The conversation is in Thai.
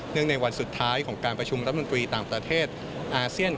ในวันสุดท้ายของการประชุมรัฐมนตรีต่างประเทศอาเซียน